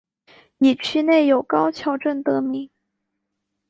以区内有高桥镇得名。